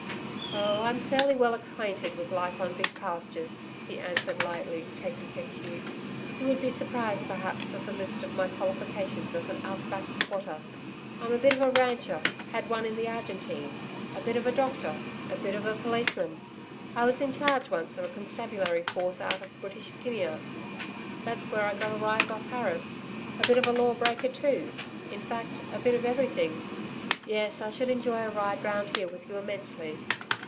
'Oh, I'm fairly well acquainted with life on big pastures,' he answered lightly, taking her cue. 'You would be surprised, perhaps, at the list of my qualifications as an "out back squatter." I'm a bit of a rancher had one in the Argentine a bit of a doctor a bit of a policeman I was in charge once of a constabulary force out in British Guiana. That's where I got a rise off Harris a bit of a law breaker, too in fact a bit of everything. Yes, I should enjoy a ride round here with you immensely.'